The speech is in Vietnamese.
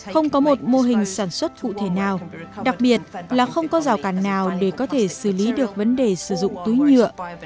không có một mô hình sản xuất cụ thể nào đặc biệt là không có rào cản nào để có thể xử lý được vấn đề sử dụng túi nhựa